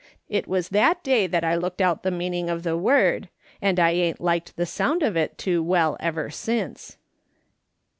It was that day that I looked out the meaning of the word, and I ain't liked the sound of it too well ever since."